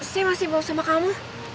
saya masih mau bersama kamu